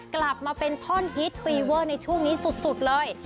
กลับมาเป็นท่อนฮิตฟีเวอร์ในช่วงนี้สุดเลย